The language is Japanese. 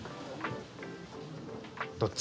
どっち？